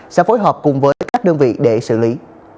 sẽ phối hợp cùng với các đơn vị để xử lý